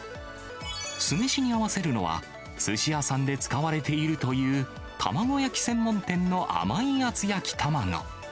酢飯に合わせるのは、すし屋さんで使われているという、卵焼き専門店の甘い厚焼き卵。